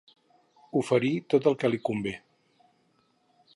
Oferir tot el que li convé.